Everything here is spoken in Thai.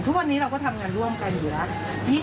ทุกวันนี้เราก็ทำงานร่วมกันอยู่แล้ว